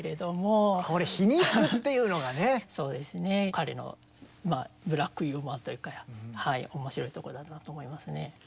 彼のブラックユーモアというか面白いところだなと思いますね。